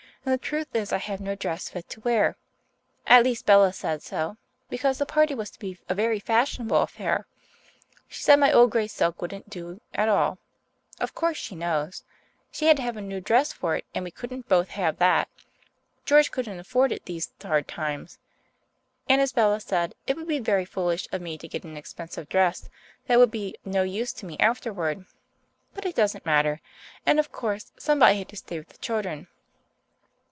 And the truth is I have no dress fit to wear. At least Bella said so, because the party was to be a very fashionable affair. She said my old grey silk wouldn't do at all. Of course she knows. She had to have a new dress for it, and, we couldn't both have that. George couldn't afford it these hard times. And, as Bella said, it would be very foolish of me to get an expensive dress that would be no use to me afterward. But it doesn't matter. And, of course, somebody had to stay with the children."